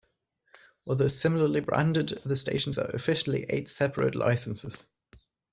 Although similarly branded, the stations are officially eight separate licenses.